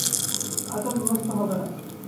আতঙ্কগ্রস্থ হবে না!